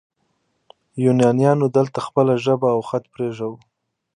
یونانیانو دلته خپله ژبه او خط پریښود